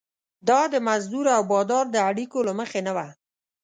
دا د مزدور او بادار د اړیکو له مخې نه وه.